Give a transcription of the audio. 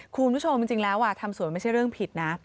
คุณผู้ชมจริงแล้วทำสวยไม่ใช่เรื่องผิดนะ